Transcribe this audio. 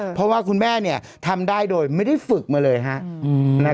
เพราะว่าคุณแม่ทำได้โดยไม่ได้ฝึกมาเลยฮะ